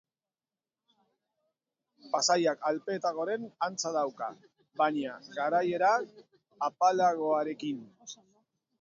Paisaiak Alpeetakoaren antza dauka, baina garaiera apalagoarekin.